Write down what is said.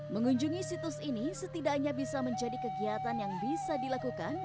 mengunjungi situs ini setidaknya bisa menjadi kegiatan yang bisa dilakukan